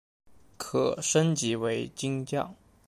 可升级为金将。